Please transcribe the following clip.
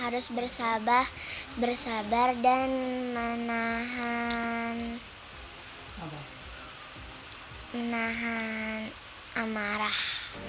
harus bersabar bersabar dan menahan amarah